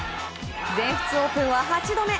全仏オープンは８度目。